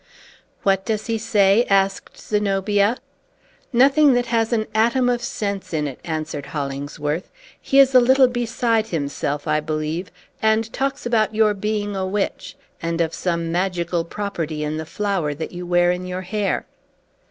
"What does he say?" asked Zenobia. "Nothing that has an atom of sense in it," answered Hollingsworth. "He is a little beside himself, I believe, and talks about your being a witch, and of some magical property in the flower that you wear in your hair."